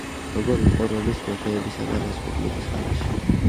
როგორი იყო რომის მეფეებისა და რესპუბლიკის ხანაში?